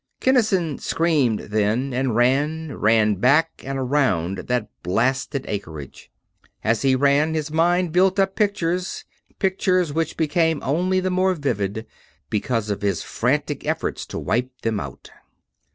Kinnison screamed, then, and ran; ran back and around that blasted acreage. And as he ran, his mind built up pictures; pictures which became only the more vivid because of his frantic efforts to wipe them out.